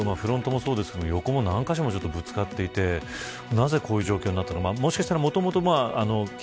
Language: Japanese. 車の状態を見るとフロントもそうですけど横も何カ所もぶつかっていってなぜこういう状況になったのか。